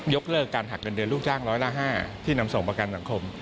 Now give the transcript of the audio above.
กเลิกการหักเงินเดือนลูกจ้างร้อยละ๕ที่นำส่งประกันสังคม